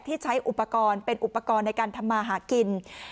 ใช้อุปกรณ์เป็นอุปกรณ์ในการทำมาหากิน